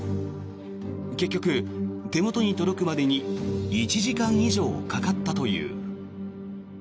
結局、手元に届くまでに１時間以上かかったという。